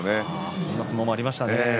そういう相撲がありましたね。